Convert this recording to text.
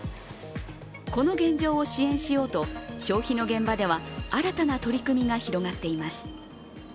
この現状を支援しようと、消費の現場では新たな取り組みが広がっています。